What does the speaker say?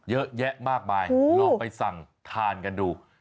เยอะแยะมากมายลองไปสั่งทานกันดู